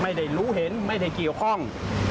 ไม่ได้รู้เห็นไม่ได้เกี่ยวข้อง